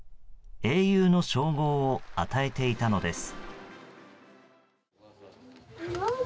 英雄の称号を与えていたのです。